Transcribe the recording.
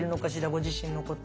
ご自身のこと。